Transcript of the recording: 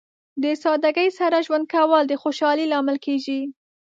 د سادګۍ سره ژوند کول د خوشحالۍ لامل کیږي.